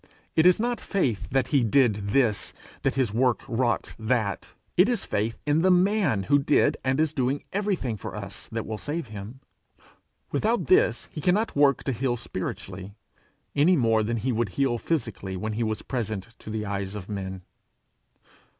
It is not faith that he did this, that his work wrought that it is faith in the man who did and is doing everything for us that will save him: without this he cannot work to heal spiritually, any more than he would heal physically, when he was present to the eyes of men.